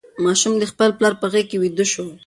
ماشوم د خپل پلار په غېږ کې ویده شو.